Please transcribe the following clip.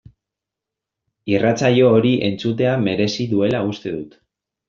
Irratsaio hori entzutea merezi duela uste dut.